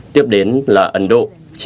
tiếp đến là ấn độ chín trăm ba mươi bảy